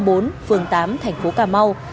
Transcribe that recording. phường tám thành phố cà mau